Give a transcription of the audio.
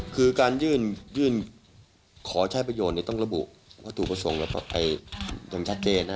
คือการยื่นขอใช้ประโยชน์ต้องระบุวัตถุประสงค์อย่างชัดเจนนะ